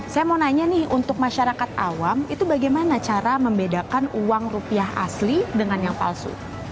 saya mau nanya nih untuk masyarakat awam itu bagaimana cara membedakan uang rupiah asli dengan yang palsu